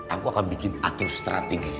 aku akan bikin atur strategi